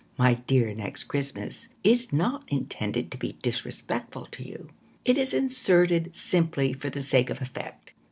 My dear Next Christmas, Is not intended to be Disrespectful to you; It is inserted simply For the sake of effect.